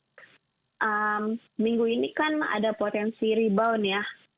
sektor yang menarik minggu ini kan ada potensi rebound ya